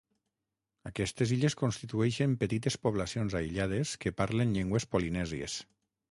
Aquestes illes constitueixen petites poblacions aïllades que parlen llengües polinèsies.